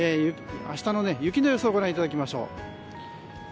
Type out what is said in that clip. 明日の雪の予想をご覧いただきましょう。